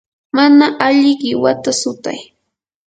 mana alli qiwata sutay.